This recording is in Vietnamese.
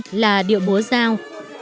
tiếp sau là điệu múa giao